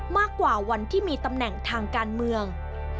มากกว่าวันที่มีตำแหน่งทางการเมือง